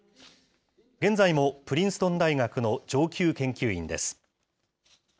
現在もプリンストン大学の上級研究員です。